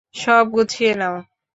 সব গুছিয়ে নাও।